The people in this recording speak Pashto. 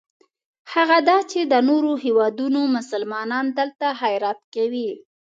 هغه دا چې د نورو هېوادونو مسلمانان دلته خیرات کوي.